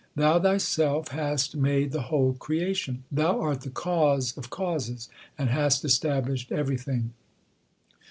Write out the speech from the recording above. Thou Thyself hast made the whole creation. Thou art the Cause of causes, and hast established every thing.